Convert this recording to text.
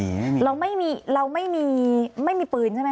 ก็คลิปออกมาแบบนี้เลยว่ามีอาวุธปืนแน่นอน